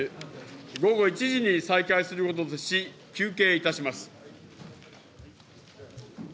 午後１時に再開することとし、休憩いたします。